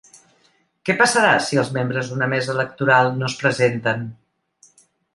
Què passarà si els membres d’una mesa electoral no es presenten?